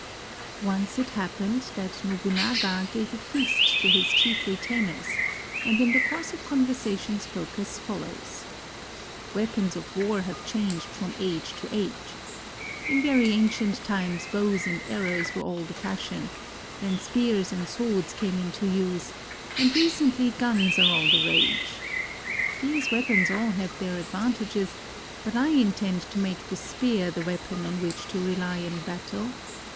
] Once it happened that Nobunaga gave a feast to his chief retainers and in the course of conversation spoke as follows: "Weapons of war have changed from age to age. In very ancient times bows and arrows were all the fashion; then spears and swords came into use; and recently guns are all the rage. These weapons all have their advantages, but I intend to make the spear the weapon on which to rely in battle.